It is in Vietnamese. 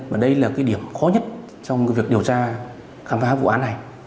và đây là cái điểm khó nhất trong việc điều tra khám phá vụ án này